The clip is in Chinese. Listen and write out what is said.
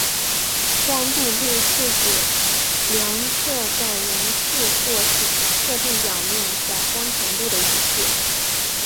光度计是指量测在溶液或是特定表面下光强度的仪器。